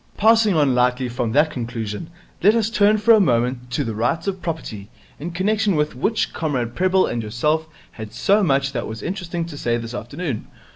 Passing on lightly from that conclusion, let us turn for a moment to the Rights of Property, in connection with which Comrade Prebble and yourself had so much that was interesting to say this afternoon.